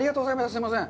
すいません。